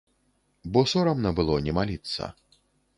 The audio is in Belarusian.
Бо сорамна было не маліцца.